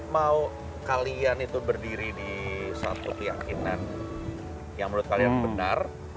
mau kalian itu berdiri di satu keyakinan yang menurut kalian benar